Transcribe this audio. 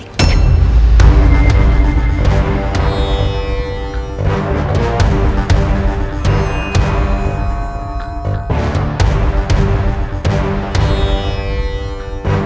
tidak ada yang bisa diberikan